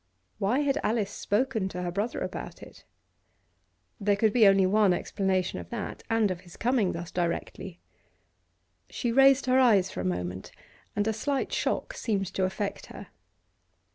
Why had Alice spoken to her brother about it? There could be only one explanation of that, and of his coming thus directly. She raised her eyes for a moment, and a slight shock seemed to affect her.